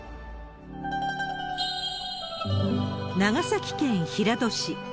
長崎県平戸市。